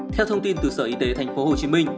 theo thông tin từ sở y tế tp hcm